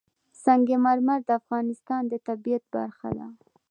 سنگ مرمر د افغانستان د طبیعت برخه ده.